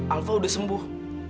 alva udah sembuh